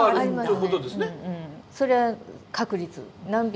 うんそれは確率。